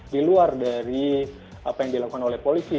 di luar dari apa yang dilakukan oleh polisi